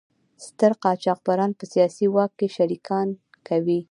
ستر قاچاقبران په سیاسي واک کې شریکان کوي.